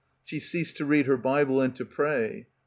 She ceased to read her Bible and to pray.